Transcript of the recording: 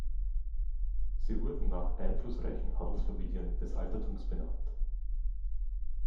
Sie wurden nach einflussreichen Adelsfamilien des Altertums benannt.